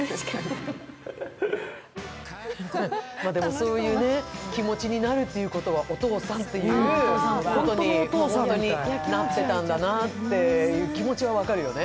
そういう気持ちになるということはお父さんということに本当になってたんだなっていう気持ちは分かるよね。